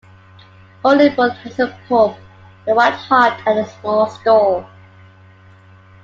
Holybourne has a pub - "The White Hart" - and a small store.